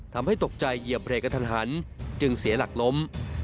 ทำให้ตกใจเหยียบเรกกระทันหันจึงเสียหลักล้ม